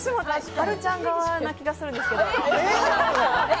はるちゃん側な気がするんですけど。